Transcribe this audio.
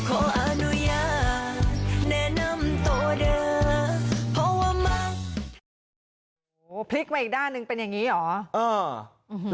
โอ้โหพลิกมาอีกด้านหนึ่งเป็นอย่างนี้เหรอ